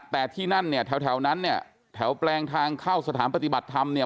แต่ที่นั่นเนี่ยแถวนั้นเนี่ยแถวแปลงทางเข้าสถานปฏิบัติธรรมเนี่ย